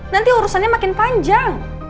nanti urusannya makin panjang